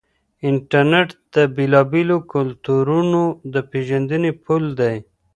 انټرنیټ د بېلابېلو کلتورونو د پیژندنې پل دی.